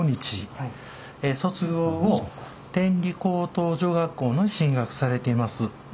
卒業後天理高等女學校に進学されています。